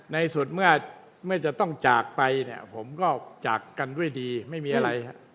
ในสุดเมื่อจะต้องจากไปเนี่ยผมก็จากกันด้วยดีไม่มีอะไร